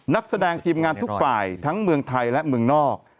นักแสดงทีมงานทุกฝ่ายทั้งเมืองไทยและเมืองนอก